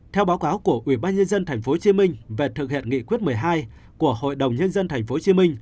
theo báo cáo của ủy ban nhân dân tp hcm về thực hiện nghị quyết một mươi hai của hội đồng nhân dân tp hcm